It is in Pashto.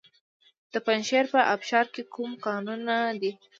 د پنجشیر په ابشار کې کوم کانونه دي؟